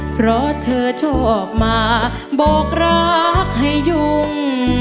เพราะเธอชอบมาบอกรักให้ยุ่ง